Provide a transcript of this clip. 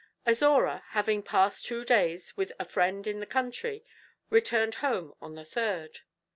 Azora, having passed two days with a friend in the country, returned home on the third.